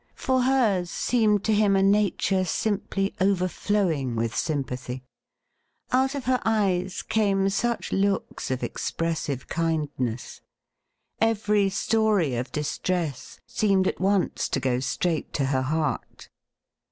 For hers seemed to him a nature simply overflowing with sympathy. Out of her eyes came such looks of expressive kindness. Every story of distress seemed at once to go straight to her heart.